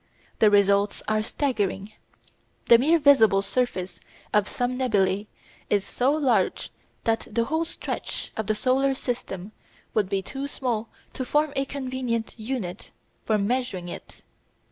The results are staggering. The mere visible surface of some nebulæ is so large that the whole stretch of the solar system would be too small to form a convenient unit for measuring it.